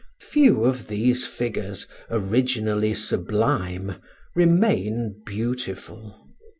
Few of these figures, originally sublime, remain beautiful.